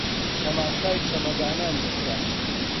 تەماشای چەمەدانان دەکرا